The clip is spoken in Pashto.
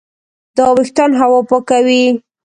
دا وېښتان هوا پاکوي.